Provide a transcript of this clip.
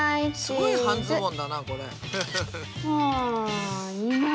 すごい半ズボンだなこれ。